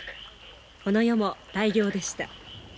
この夜も大漁でした。